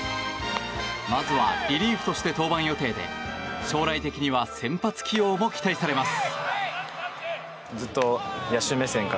まずはリリーフとして登板予定で将来的には先発起用も期待されます。